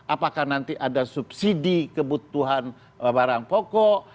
apakah nanti ada subsidi kebutuhan barang pokok